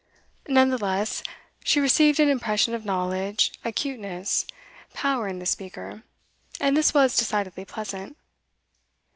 None the less, she received an impression of knowledge, acuteness, power, in the speaker; and this was decidedly pleasant.